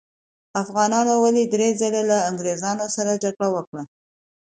افغانانو ولې درې ځلې له انګریزانو سره جګړې وکړې؟